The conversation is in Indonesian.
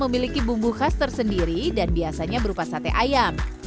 memiliki bumbu khas tersendiri dan biasanya berupa sate ayam